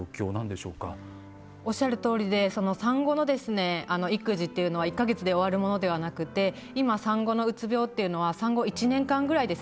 おっしゃるとおりでその産後の育児というのは１か月で終わるものではなくて今産後のうつ病というのは産後１年間ぐらいですね